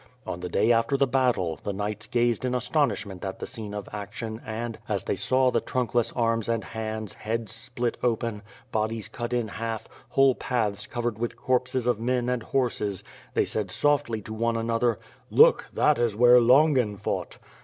On the day after the battle, the knights gazed in astonishment at the scene of action and, as they saw the trunkless arms and hands, heads split open, bodies cut in half, whole paths cov ered with corpses of men and horses, they said softly to one another, "look, that is where Longin fought."